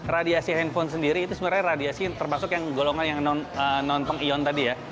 radiasi handphone sendiri itu sebenarnya radiasi termasuk yang golongan yang non pengion tadi ya